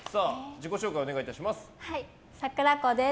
自己紹介をお願いいたします。